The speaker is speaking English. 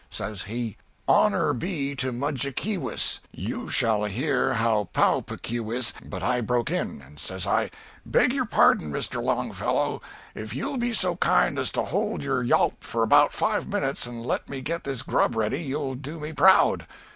Says he, "'Honor be to Mudjekeewis! You shall hear how Pau Puk Keewis ' "But I broke in, and says I, 'Beg your pardon, Mr. Longfellow, if you'll be so kind as to hold your yawp for about five minutes and let me get this grub ready, you'll do me proud.'